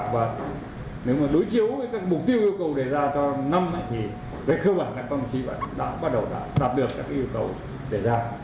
và nếu mà đối chiếu với các mục tiêu yêu cầu đề ra cho năm thì về cơ bản là công an quảng trị đã bắt đầu đạt được các yêu cầu đề ra